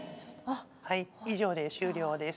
はい以上で終了です。